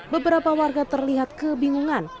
beberapa warga terlihat kebingungan